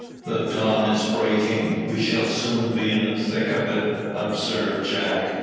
"The dawn is breaking, we shall soon be in the thick of it," observed Jack.